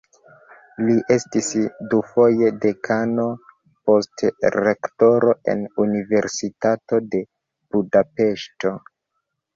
Li estis dufoje dekano, poste rektoro en Universitato de Budapeŝto.